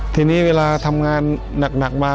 ทีนี้เวลาทำงานหนักมา